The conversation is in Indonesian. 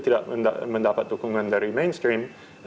tidak mendapat dukungan dari mainstream